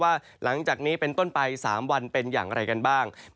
หลังจากนี้เป็นต้นไป๓วันเป็นอย่างไรกันบ้าง